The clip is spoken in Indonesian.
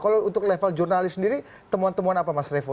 kalau untuk level jurnalis sendiri temuan temuan apa mas revo